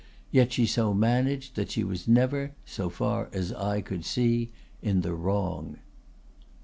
Yet she so managed that she was never, so far as eye could see, in the wrong.